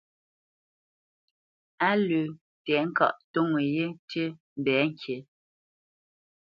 Á lə́ tɛ̌ŋkaʼ ntoŋə yé ntî mbɛ̌ ŋkǐ.